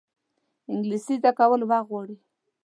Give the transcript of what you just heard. انګلیسي زده کول وخت غواړي